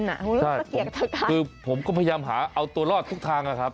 ใช่คือผมก็พยายามหาเอาตัวรอดทุกทางนะครับ